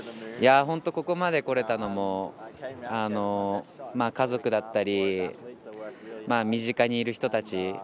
本当ここまでこれたのも家族だったり、身近にいる人たち。